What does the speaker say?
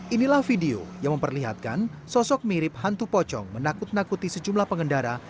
inilah video yang memperlihatkan sosok mirip hantu pocong menakut nakuti sejumlah pengendara